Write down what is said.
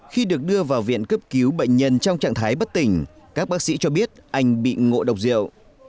khi được đưa vào viện cấp cứu bệnh nhân trong trạng thái bất tỉnh các bác sĩ cho biết anh bị ngộ độc rượu